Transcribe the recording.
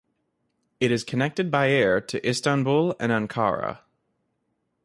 It is connected by air to Istanbul and Ankara.